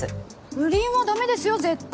不倫はだめですよ絶対。